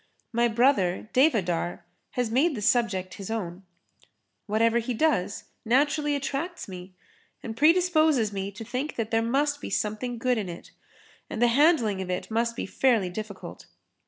My brother, Devadhar, has made the subject his own. Whatever he does, naturally attracts me and predisposes me to think that there must be something good in it and the handling of it must be fairly difficult.